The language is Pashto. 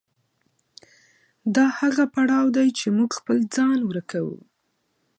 دا هغه پړاو دی چې موږ خپل ځان ورکوو.